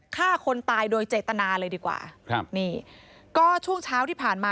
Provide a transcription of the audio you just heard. ฆ่าคนตายโดยเจตนาเลยดีกว่าครับนี่ก็ช่วงเช้าที่ผ่านมา